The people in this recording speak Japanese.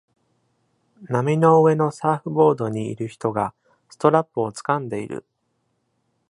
波の上のサーフボードにいる人が、ストラップを掴んでいる。